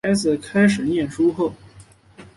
孩子开始念书后